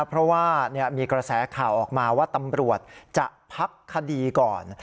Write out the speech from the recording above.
เพราะว่ามีกระแสข่าวออกมาว่าตำรวจจะพักคดีก่อน